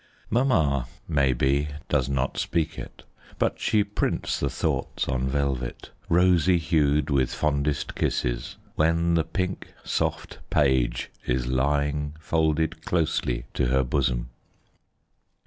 Mamma, maybe, does not speak it, But she prints the thought on velvet, Rosy hued, with fondest kisses, When the pink, soft page is lying Folded closely to her bosom.